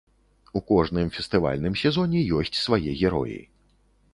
У кожным фестывальным сезоне ёсць свае героі.